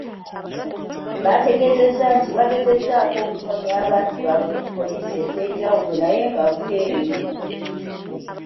Baategeezezza nti bagezezzaako okunoonya abantu baabwe ku Poliisi ez'enjawulo naye nga buteerere.